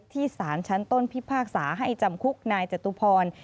สารชั้นต้นพิพากษาให้จำคุกนายจตุพร